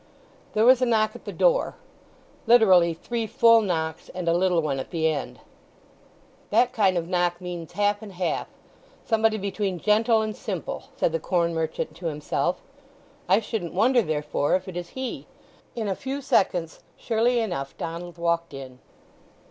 There was a knock at the door; literally, three full knocks and a little one at the end. "That kind of knock means half and half—somebody between gentle and simple," said the corn merchant to himself. "I shouldn't wonder therefore if it is he." In a few seconds surely enough Donald walked in.